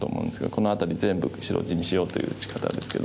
この辺り全部白地にしようという打ち方ですけど。